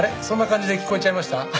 そんな感じで聞こえちゃいました？